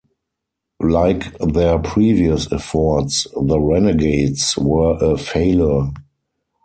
Like their previous efforts, the Renegades were a failure.